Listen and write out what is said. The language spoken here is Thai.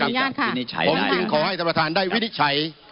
ผมจึงขอให้ท่านประธานได้วินิจฉัย